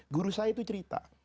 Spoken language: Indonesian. guru saya itu cerita